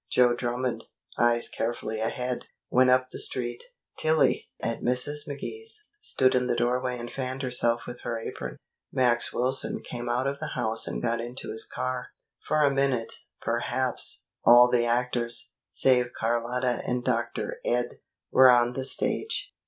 Joe Drummond, eyes carefully ahead, went up the Street. Tillie, at Mrs. McKee's, stood in the doorway and fanned herself with her apron. Max Wilson came out of the house and got into his car. For a minute, perhaps, all the actors, save Carlotta and Dr. Ed, were on the stage.